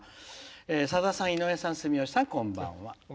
「さださん、井上さん、住吉さんこんばんは。